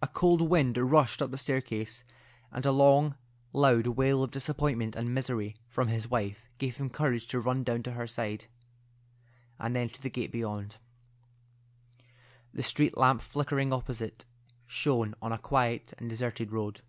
A cold wind rushed up the staircase, and a long loud wail of disappointment and misery from his wife gave him courage to run down to her side, and then to the gate beyond. The street lamp flickering opposite shone on a quiet and deserted road.